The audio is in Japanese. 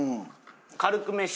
軽く飯。